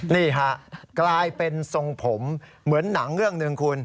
นี่ฮะกลายเป็นทรงผมเหมือนหนังเรื่องหนึ่งคุณ